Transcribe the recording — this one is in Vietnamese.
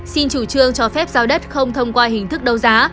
xin chủ trương cho phép giao đất không thông qua hình thức đấu giá